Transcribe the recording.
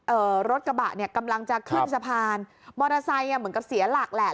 รถกระบะเนี่ยกำลังจะขึ้นสะพานมอเตอร์ไซค์อ่ะเหมือนกับเสียหลักแหละ